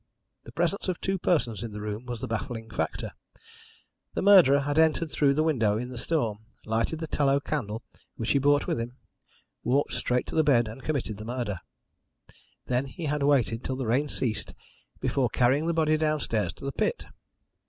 The presence of two persons in the room was the baffling factor. The murderer had entered through the window in the storm, lighted the tallow candle which he brought with him, walked straight to the bed and committed the murder. Then he had waited till the rain ceased before carrying the body downstairs to the pit.